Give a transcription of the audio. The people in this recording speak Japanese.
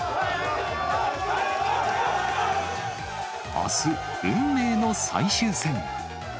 あす、運命の最終戦。